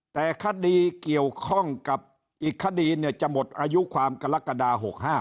แต่คดีเกี่ยวข้องกับอีกคดีเนี่ยจะหมดอายุความกรกฎา๖๕